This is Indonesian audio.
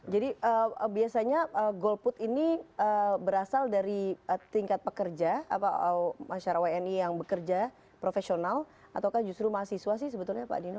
jadi biasanya goal put ini berasal dari tingkat pekerja apa masyarakat wni yang bekerja profesional atau kan justru mahasiswa sih sebetulnya pak dino